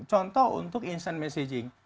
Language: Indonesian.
contoh untuk instant messaging